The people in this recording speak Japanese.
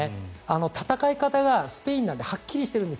戦い方がスペインなのではっきりしてるんです。